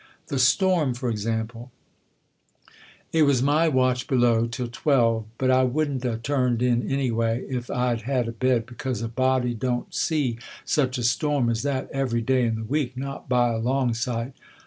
The storm, for example: "It was my watch below till twelve, but I wouldn't a turned in anyway if I'd had a bed, because a body don't see such a storm as that every day in the week, not by a long sight.